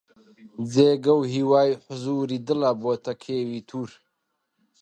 جێگە و هیوای حوزووری دڵە بۆتە کێوی توور